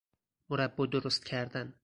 مربا درست کردن